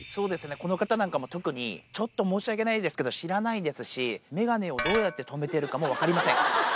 この方なんかも特に、ちょっと申し訳ないですけど、知らないですし、眼鏡をどうやって留めてるかも分かりません。